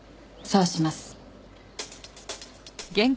そうします。